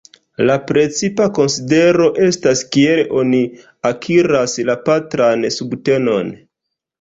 La precipa konsidero estas kiel oni akiras la patran subtenon.